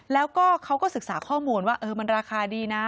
แล้วก็เขาก็ศึกษาข้อมูลว่ามันราคาดีนะ